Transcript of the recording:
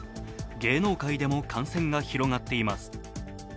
芸能界でも感染が広がっています。